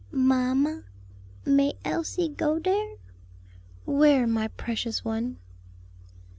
"Mamma, may Elsie go dere?" "Where, my precious one?"